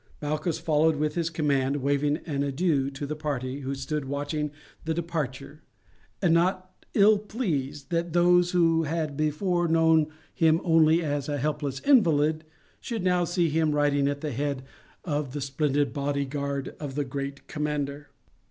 Malchus followed with his command, waving an adieu to the party who stood watching the departure, and not ill pleased that those who had before known him only as a helpless invalid, should now see him riding at the head of the splendid bodyguard of the great commander.